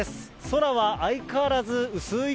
空は相変わらず薄ーい